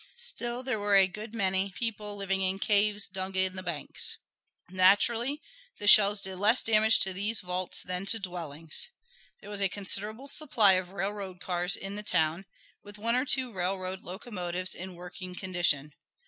Still, there were a good many people living in caves dug in the banks. Naturally the shells did less damage to these vaults than to dwellings. There was a considerable supply of railroad cars in the town, with one or two railroad locomotives in working condition.